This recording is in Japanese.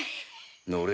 乗れ。